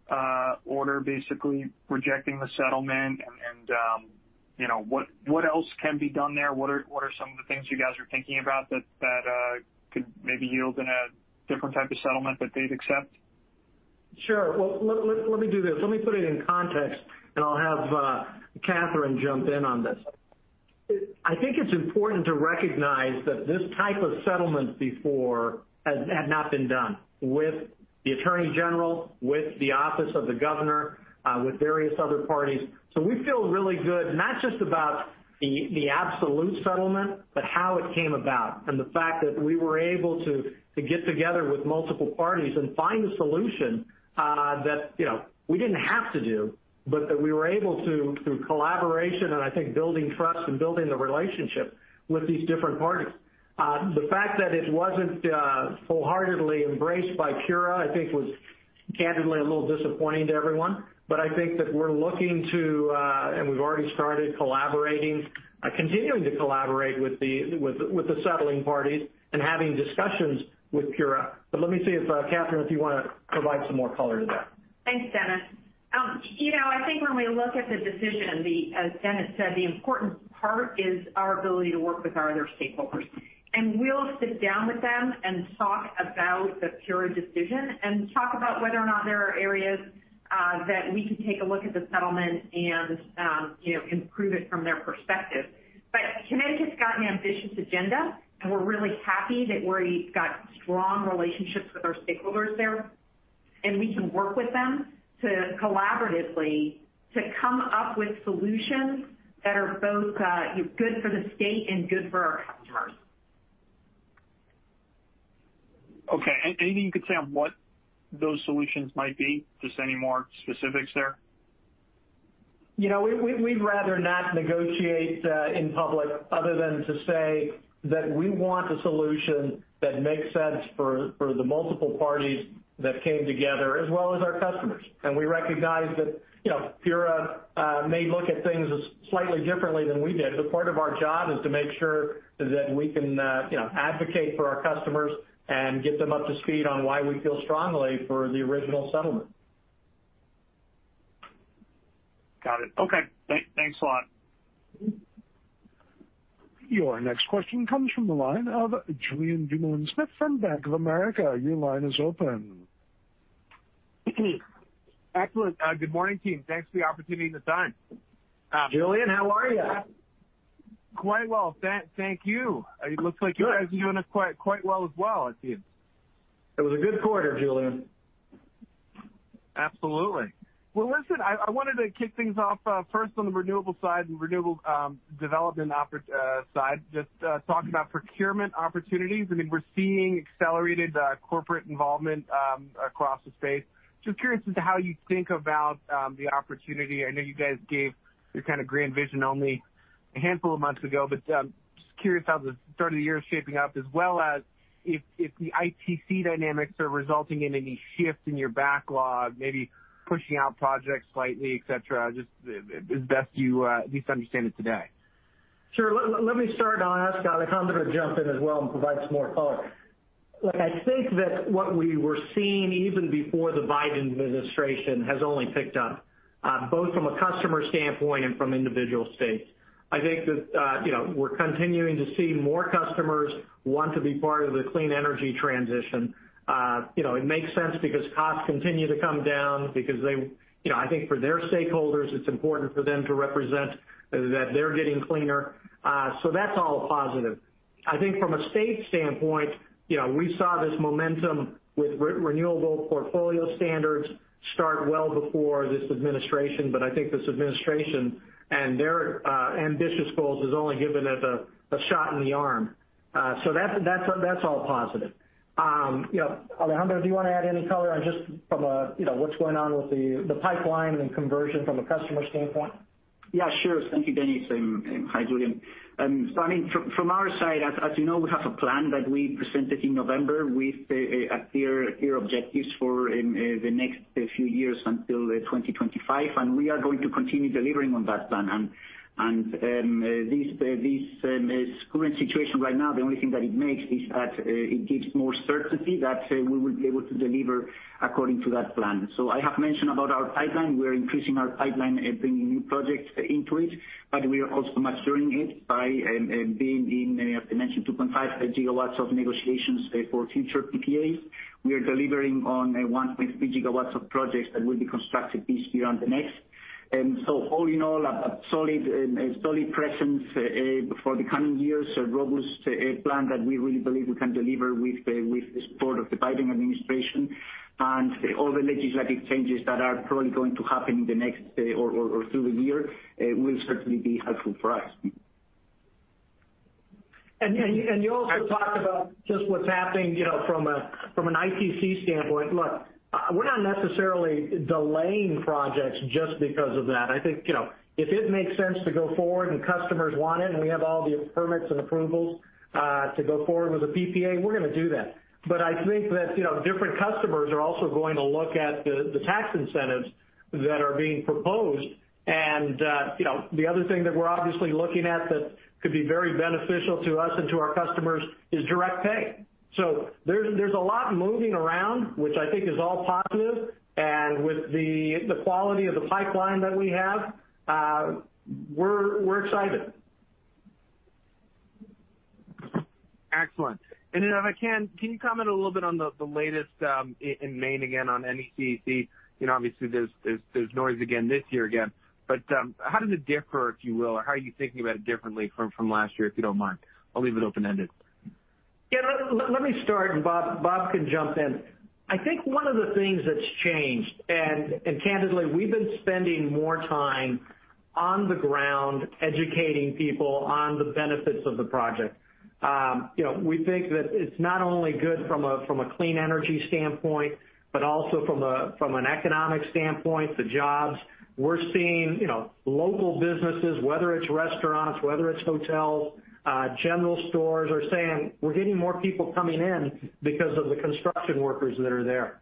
S11: order basically rejecting the settlement and what else can be done there. What are some of the things you guys are thinking about that could maybe yield in a different type of settlement that they'd accept?
S3: Sure. Well, let me do this. Let me put it in context, and I'll have Catherine jump in on this. I think it's important to recognize that this type of settlement before had not been done with the attorney general, with the office of the governor, with various other parties. We feel really good, not just about the absolute settlement, but how it came about and the fact that we were able to get together with multiple parties and find a solution that we didn't have to do, but that we were able to through collaboration and I think building trust and building the relationship with these different parties. The fact that it wasn't wholeheartedly embraced by PURA, I think was candidly a little disappointing to everyone. I think that we're looking to, and we've already started collaborating, continuing to collaborate with the settling parties and having discussions with PURA. Let me see if, Catherine, if you want to provide some more color to that.
S12: Thanks, Dennis. I think when we look at the decision, as Dennis said, the important part is our ability to work with our other stakeholders. We'll sit down with them and talk about the PURA decision and talk about whether or not there are areas that we can take a look at the settlement and improve it from their perspective. Connecticut's got an ambitious agenda, and we're really happy that we're got strong relationships with our stakeholders there, and we can work with them to collaboratively to come up with solutions that are both good for the state and good for our customers.
S11: Okay. Anything you could say on what those solutions might be? Just any more specifics there?
S3: We'd rather not negotiate in public other than to say that we want a solution that makes sense for the multiple parties that came together as well as our customers. We recognize that PURA may look at things slightly differently than we did, but part of our job is to make sure that we can advocate for our customers and get them up to speed on why we feel strongly for the original settlement.
S11: Got it. Okay. Thanks a lot.
S1: Your next question comes from the line of Julien Dumoulin-Smith from Bank of America. Your line is open.
S13: Excellent. Good morning, team. Thanks for the opportunity and the time.
S3: Julien, how are you?
S13: Quite well. Thank you.
S3: Good.
S13: It looks like you guys are doing quite well as well, I see.
S3: It was a good quarter, Julien.
S13: Absolutely. Well, listen, I wanted to kick things off first on the renewables development side, just talk about procurement opportunities. We're seeing accelerated corporate involvement across the space. Just curious as to how you think about the opportunity. I know you guys gave your kind of grand vision only a handful of months ago, Just curious how the start of the year is shaping up as well as if the ITC dynamics are resulting in any shift in your backlog, maybe pushing out projects slightly, et cetera, just as best you at least understand it today.
S3: Sure. Let me start, and I'll ask Alejandro to jump in as well and provide some more color. Look, I think that what we were seeing even before the Biden administration has only picked up, both from a customer standpoint and from individual states. I think that we're continuing to see more customers want to be part of the clean energy transition. It makes sense because costs continue to come down because I think for their stakeholders, it's important for them to represent that they're getting cleaner. That's all positive. I think from a state standpoint, we saw this momentum with renewable portfolio standards start well before this administration, but I think this administration and their ambitious goals has only given it a shot in the arm. That's all positive. Alejandro, do you want to add any color on just from a, what's going on with the pipeline and conversion from a customer standpoint?
S8: Yeah, sure. Thank you, Dennis, and hi, Julien. I mean, from our side, as you know, we have a plan that we presented in November with clear objectives for the next few years until 2025, and we are going to continue delivering on that plan. This current situation right now, the only thing that it makes is that it gives more certainty that we will be able to deliver according to that plan. I have mentioned about our pipeline. We're increasing our pipeline and bringing new projects into it, but we are also maturing it by being in, as I mentioned, 2.5 GW of negotiations for future PPAs. We are delivering on 1.3 GW of projects that will be constructed this year and the next. All in all, a solid presence for the coming years, a robust plan that we really believe we can deliver with the support of the Biden administration. All the legislative changes that are probably going to happen in the next or through the year will certainly be helpful for us.
S3: You also talked about just what's happening from an ITC standpoint. Look, we're not necessarily delaying projects just because of that. I think, if it makes sense to go forward and customers want it, and we have all the permits and approvals to go forward with a PPA, we're going to do that. I think that different customers are also going to look at the tax incentives that are being proposed. The other thing that we're obviously looking at that could be very beneficial to us and to our customers is direct pay. There's a lot moving around, which I think is all positive. With the quality of the pipeline that we have, we're excited.
S13: Excellent. If I can you comment a little bit on the latest in Maine again on NECEC? Obviously, there's noise again this year, but how does it differ, if you will, or how are you thinking about it differently from last year, if you don't mind? I'll leave it open-ended.
S3: Yeah, let me start, and Bob can jump in. I think one of the things that's changed. Candidly, we've been spending more time on the ground educating people on the benefits of the project. We think that it's not only good from a clean energy standpoint, but also from an economic standpoint, the jobs. We're seeing local businesses, whether it's restaurants, whether it's hotels, general stores are saying, "We're getting more people coming in because of the construction workers that are there."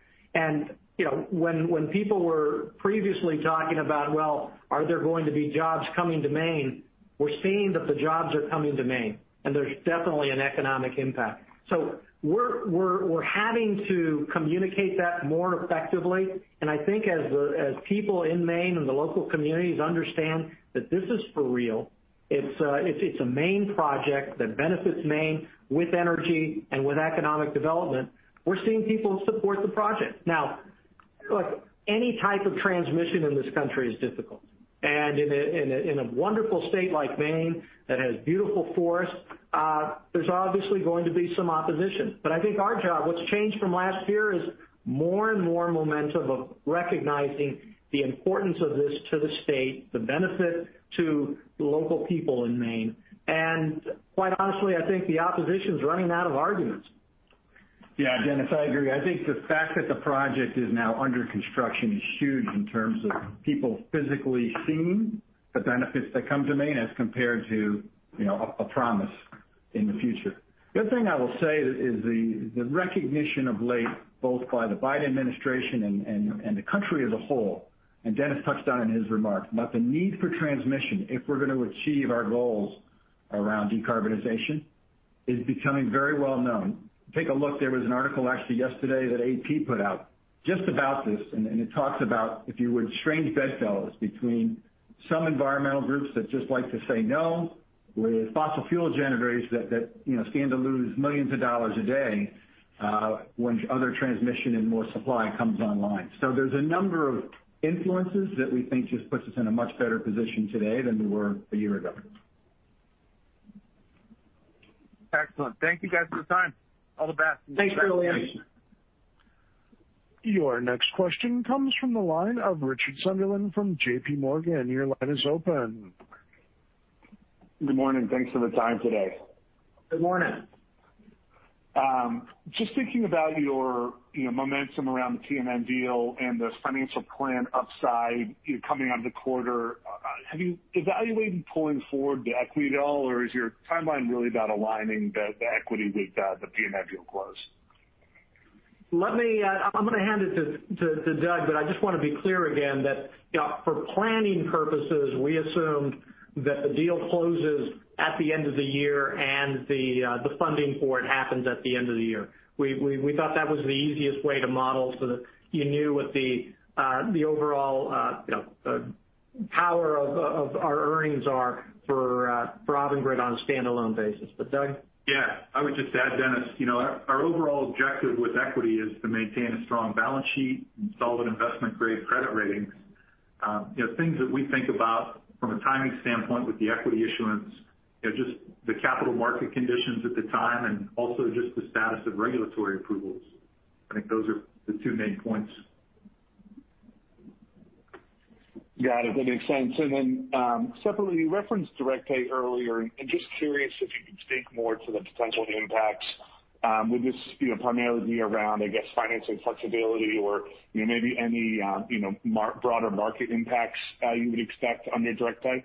S3: When people were previously talking about, well, are there going to be jobs coming to Maine? We're seeing that the jobs are coming to Maine. There's definitely an economic impact. We're having to communicate that more effectively, and I think as people in Maine and the local communities understand that this is for real, it's a Maine project that benefits Maine with energy and with economic development, we're seeing people support the project. Look, any type of transmission in this country is difficult, and in a wonderful state like Maine that has beautiful forests, there's obviously going to be some opposition. I think our job, what's changed from last year, is more and more momentum of recognizing the importance of this to the state, the benefit to the local people in Maine. Quite honestly, I think the opposition's running out of arguments.
S10: Yeah, Dennis, I agree. I think the fact that the project is now under construction is huge in terms of people physically seeing the benefits that come to Maine as compared to a promise in the future. The other thing I will say is the recognition of late, both by the Biden administration and the country as a whole, Dennis touched on it in his remarks, about the need for transmission if we're going to achieve our goals around decarbonization is becoming very well known. Take a look, there was an article actually yesterday that AP put out just about this. It talks about, if you would, strange bedfellows between some environmental groups that just like to say no, with fossil fuel generators that stand to lose millions of dollars a day when other transmission and more supply comes online. There's a number of influences that we think just puts us in a much better position today than we were a year ago.
S13: Excellent. Thank you guys for the time. All the best.
S3: Thanks, Julien.
S10: Thanks.
S1: Your next question comes from the line of Richard Sunderland from JPMorgan. Your line is open.
S14: Good morning. Thanks for the time today.
S3: Good morning.
S14: Just thinking about your momentum around the PNM deal and this financial plan upside coming out of the quarter, have you evaluated pulling forward the equity at all, or is your timeline really about aligning the equity with the PNM deal close?
S3: I'm going to hand it to Doug, but I just want to be clear again that for planning purposes, we assumed that the deal closes at the end of the year and the funding for it happens at the end of the year. We thought that was the easiest way to model so that you knew what the overall power of our earnings are for Avangrid on a standalone basis. Doug?
S4: Yeah. I would just add, Dennis, our overall objective with equity is to maintain a strong balance sheet and solid investment-grade credit ratings. Things that we think about from a timing standpoint with the equity issuance, just the capital market conditions at the time and also just the status of regulatory approvals. I think those are the two main points.
S14: Got it. That makes sense. Then separately, you referenced direct pay earlier, just curious if you could speak more to the potential impacts with this, primarily around, I guess, financial flexibility or maybe any broader market impacts you would expect under direct pay.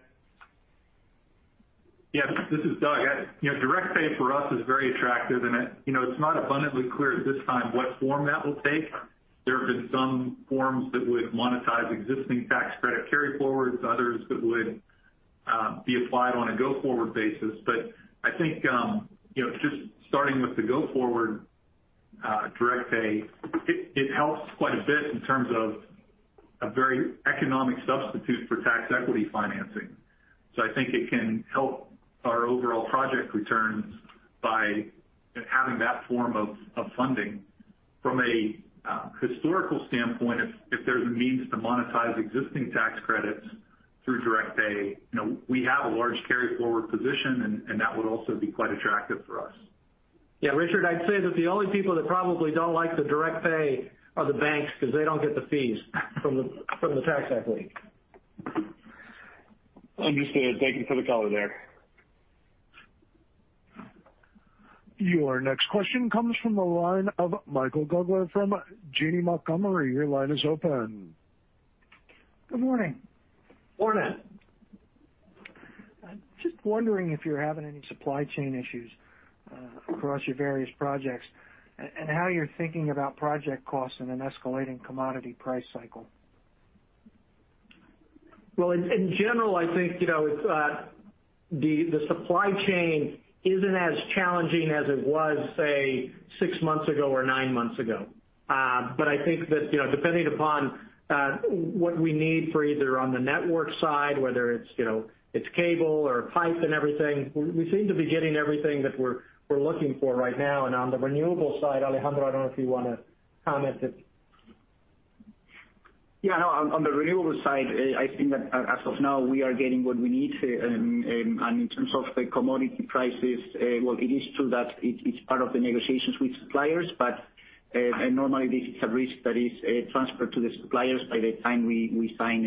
S4: Yeah. This is Doug. Direct pay for us is very attractive, and it's not abundantly clear at this time what form that will take. There have been some forms that would monetize existing tax credit carry-forwards, others that would be applied on a go-forward basis. I think, just starting with the go-forward direct pay, it helps quite a bit in terms of a very economic substitute for tax equity financing. I think it can help our overall project returns by having that form of funding. From a historical standpoint, if there's a means to monetize existing tax credits through direct pay, we have a large carry-forward position, and that would also be quite attractive for us.
S3: Yeah, Richard, I'd say that the only people that probably don't like the direct pay are the banks, because they don't get the fees from the tax equity.
S14: Understood. Thank you for the color there.
S1: Your next question comes from the line of Michael Gaugler from Janney Montgomery. Your line is open.
S15: Good morning.
S3: Morning.
S15: I'm just wondering if you're having any supply chain issues across your various projects and how you're thinking about project costs in an escalating commodity price cycle.
S3: Well, in general, I think, the supply chain isn't as challenging as it was, say, six months ago or nine months ago. I think that, depending upon what we need for either on the network side, whether it's cable or pipe and everything, we seem to be getting everything that we're looking for right now. On the renewable side, Alejandro, I don't know if you want to comment it.
S8: Yeah, no. On the renewable side, I think that as of now, we are getting what we need. In terms of the commodity prices, well, it is true that it's part of the negotiations with suppliers, but normally this is a risk that is transferred to the suppliers by the time we sign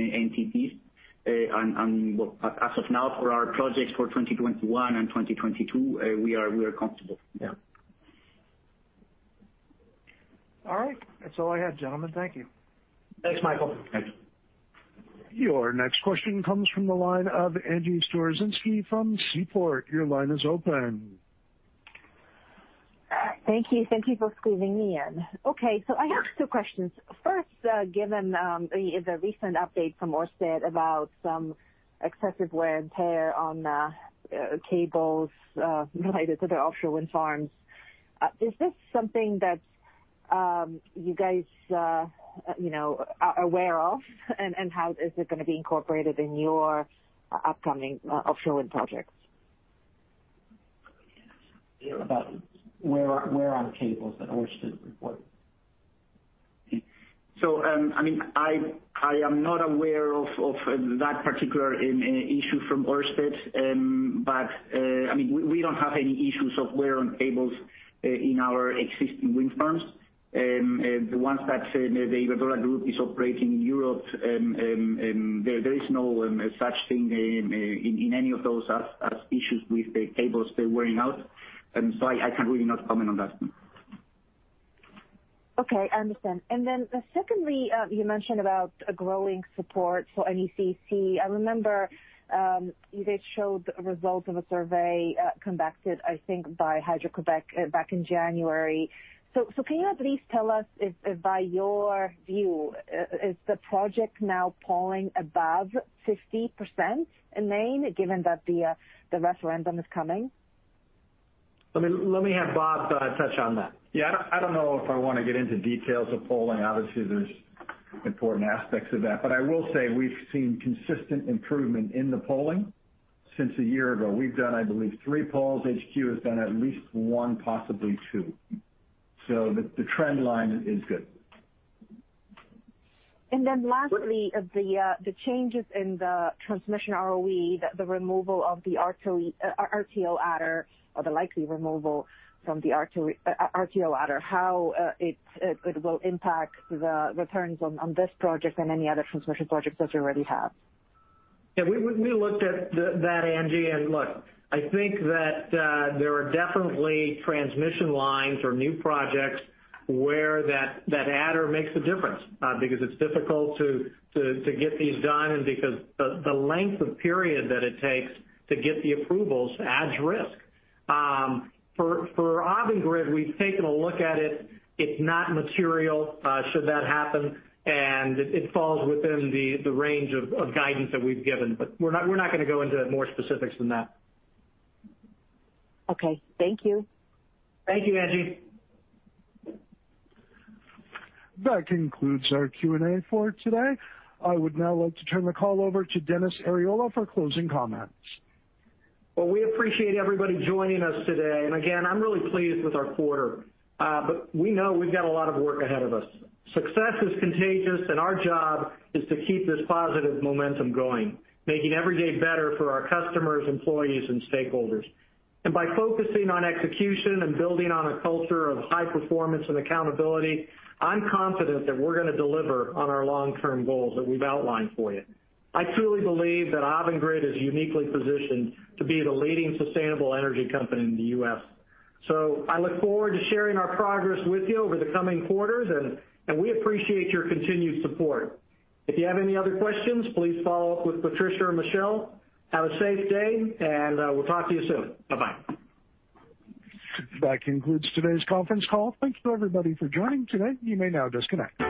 S8: NTPs. As of now, for our projects for 2021 and 2022, we are comfortable. Yeah.
S15: All right. That's all I had, gentlemen. Thank you.
S3: Thanks, Michael.
S8: Thank you.
S1: Your next question comes from the line of Angie Storozynski from Seaport. Your line is open.
S16: Thank you. Thank you for squeezing me in. Okay, so I have two questions. First, given the recent update from Ørsted about some excessive wear and tear on the cables related to the offshore wind farms, is this something that you guys are aware of, and how is it going to be incorporated in your upcoming offshore wind projects?
S3: About wear on cables that Ørsted reported.
S8: I am not aware of that particular issue from Ørsted. We don't have any issues of wear on cables in our existing wind farms. The ones that the Iberdrola group is operating in Europe, there is no such thing in any of those as issues with the cables wearing out. I can really not comment on that.
S16: Okay, I understand. Secondly, you mentioned about a growing support for NECEC. I remember you guys showed the results of a survey conducted, I think, by Hydro-Québec back in January. Can you at least tell us if by your view, is the project now polling above 50% in Maine, given that the referendum is coming?
S3: Let me have Bob touch on that.
S10: Yeah, I don't know if I want to get into details of polling. Obviously, there's important aspects of that. I will say we've seen consistent improvement in the polling since a year ago. We've done, I believe, three polls. HQ has done at least one, possibly two. The trend line is good.
S16: Lastly, the changes in the transmission ROE, the removal of the RTO adder, or the likely removal from the RTO adder, how it will impact the returns on this project and any other transmission projects that you already have.
S3: Yeah, we looked at that, Angie. Look, I think that there are definitely transmission lines or new projects where that adder makes a difference because it's difficult to get these done and because the length of period that it takes to get the approvals adds risk. For Avangrid, we've taken a look at it. It's not material should that happen, and it falls within the range of guidance that we've given. We're not going to go into more specifics than that.
S16: Okay. Thank you.
S3: Thank you, Angie.
S1: That concludes our Q&A for today. I would now like to turn the call over to Dennis Arriola for closing comments.
S3: Well, we appreciate everybody joining us today. Again, I'm really pleased with our quarter. We know we've got a lot of work ahead of us. Success is contagious, our job is to keep this positive momentum going, making every day better for our customers, employees, and stakeholders. By focusing on execution and building on a culture of high performance and accountability, I'm confident that we're going to deliver on our long-term goals that we've outlined for you. I truly believe that Avangrid is uniquely positioned to be the leading sustainable energy company in the U.S. I look forward to sharing our progress with you over the coming quarters, we appreciate your continued support. If you have any other questions, please follow up with Patricia or Michelle. Have a safe day, we'll talk to you soon. Bye-bye.
S1: That concludes today's conference call. Thank you, everybody, for joining today. You may now disconnect.